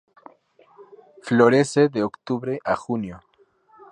Florece de octubre a junio.